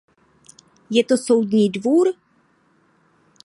Je to Soudní dvůr?